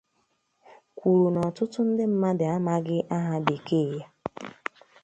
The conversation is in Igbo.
kwùrù na ọtụtụ ndị mmadụ amaghị aha bekee ya